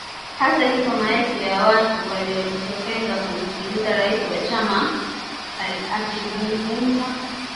Hata hivyo maelfu ya watu waliojitokeza kumsikiliza rais wa chama akizungumza